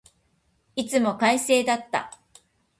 いつも快晴だった。